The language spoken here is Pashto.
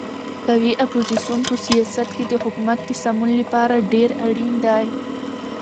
قوي اپوزیسیون په سیاست کې د حکومت د سمون لپاره ډېر اړین دی.